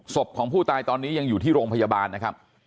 ศพของผู้ตายตอนนี้ยังอยู่ที่โรงพยาบาลนะครับ